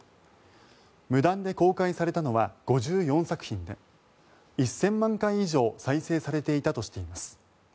無断で公開されたのは５４作品で１０００万回以上再生されていたとしています。